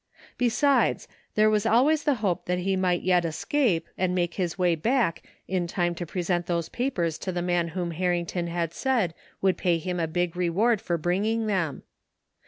Besides, there was always the hope that he might yet escape and make his way back in time to present those papers to the man whom Harrington had said would pay him a big reward for bringing them.